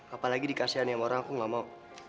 apalagi dikasihannya orang aku gak mau